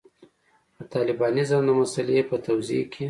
د طالبانیزم د مسألې په توضیح کې.